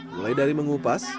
mulai dari mengupas